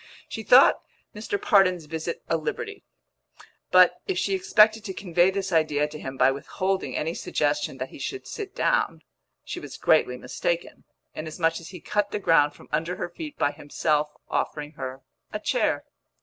She thought Mr. Pardon's visit a liberty; but, if she expected to convey this idea to him by withholding any suggestion that he should sit down, she was greatly mistaken, inasmuch as he cut the ground from under her feet by himself offering her a chair.